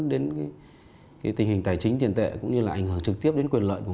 đến cái tình hình tài chính tiền tệ cũng như là ảnh hưởng trực tiếp đến quyền lợi